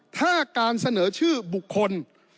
ถ้าการเสนอชื่อบุคคล